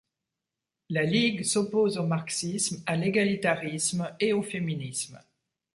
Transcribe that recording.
La Ligue s'oopose au marxisme, à l'égalitarisme et au féminisme.